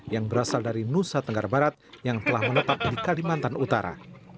yang berasal dari nusa tenggara barat yang telah menetap di kalimantan utara